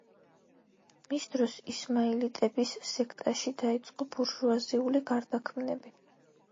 მის დროს ისმაილიტების სექტაში დაიწყო ბურჟუაზიული გარდაქმნები.